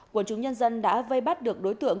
quân chúng nhân dân đã vây bắt được đối tượng